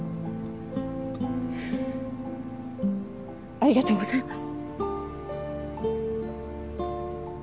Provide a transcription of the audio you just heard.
ありがとうございます。